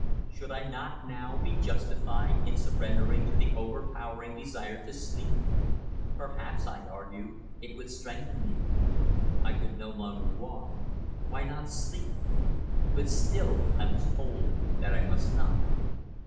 Should I not now be justified in surrendering to the overpowering desire to sleep? Perhaps, I argued, it would strengthen me. I could no longer walk; why not sleep? But still I was told that I must not...